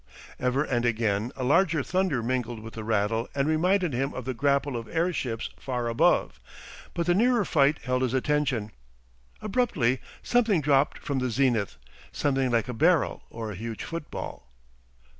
Ever and again a larger thunder mingled with the rattle and reminded him of the grapple of airships far above, but the nearer fight held his attention. Abruptly something dropped from the zenith; something like a barrel or a huge football.